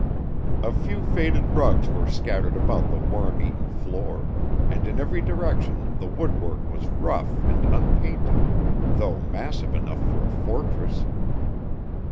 A few faded rugs were scattered about the worm eaten floor, and in every direction the wood work was rough and unpainted, though massive enough for a fortress.